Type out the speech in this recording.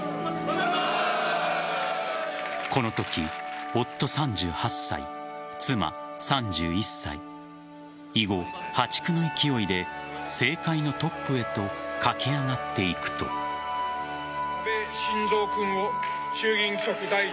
このとき夫、３８歳妻、３１歳以後、破竹の勢いで政界のトップへと駆け上がっていくと２００６年９月。